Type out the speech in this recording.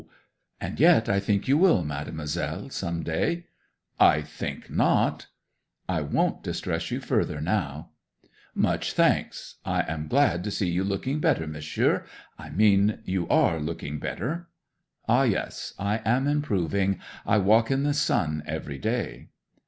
'"And yet I think you will, Mademoiselle, some day!" '"I think not." '"I won't distress you further now." '"Much thanks ... I am glad to see you looking better, Monsieur; I mean you are looking better." '"Ah, yes. I am improving. I walk in the sun every day."